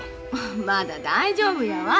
まだ大丈夫やわ。